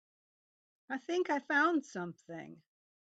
I think I found something.